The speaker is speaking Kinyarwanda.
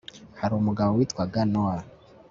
hari umugabo witwaga nowa